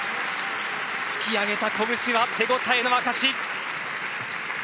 突き上げた拳は手応えの証し。